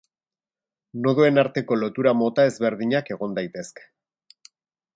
Nodoen arteko lotura mota ezberdinak egon daitezke.